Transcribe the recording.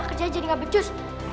kerjanya jadi gak becus